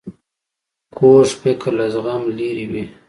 کوږ فکر له زغم لیرې وي